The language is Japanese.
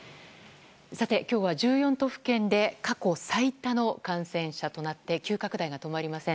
さて、今日は１４都府県で過去最多の感染者となって急拡大が止まりません。